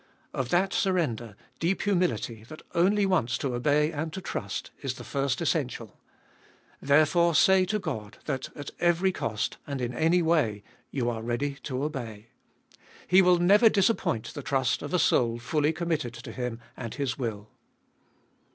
Of that surrender deep humility, that only wants to obey and to trust, is the first essential. Therefore say to God, that at every cost, and in any way — you are ready to obey. He will never disappoint the trust of a soul fully committed to Him and His will.